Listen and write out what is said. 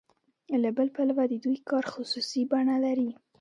له بل پلوه د دوی کار خصوصي بڼه لري